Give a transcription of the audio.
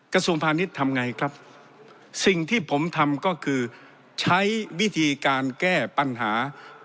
กระทรวงพาณิชย์ทำไงครับสิ่งที่ผมทำก็คือใช้วิธีการแก้ปัญหา